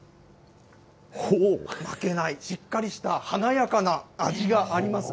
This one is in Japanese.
負けない、しっかりした華やかな味があります。